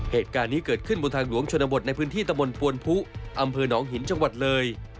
เหตุการณ์นี้เกิดขึ้นบนทางหลวงชนบทในพื้นที่ตะบนปวนพุอำเภอหนองหินจังหวัดเลย